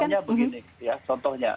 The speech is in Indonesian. contohnya begini ya contohnya